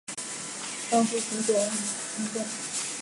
江苏巡抚宋荦聘致幕中。